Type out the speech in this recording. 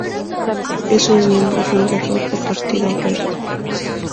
Es un miembro fundador del Partido Verde.